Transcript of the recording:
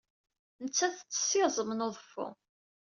Nettat tettess iẓem n uḍeffu.